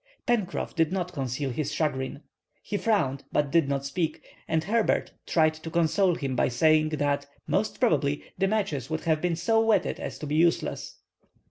Pencroff did not conceal his chagrin. He frowned, but did not speak, and Herbert tried to console him by saying, that, most probably, the matches would have been so wetted as to be useless.